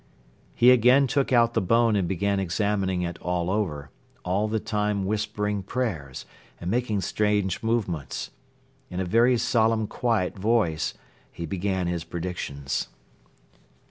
He again took out the bone and began examining it all over, all the time whispering prayers and making strange movements. In a very solemn quiet voice he began his predictions.